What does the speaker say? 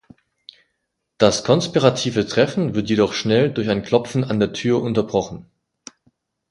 Das konspirative Treffen wird jedoch schnell durch ein Klopfen an der Tür unterbrochen.